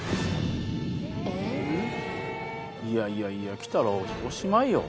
いやいやいや来たらおしまいよ。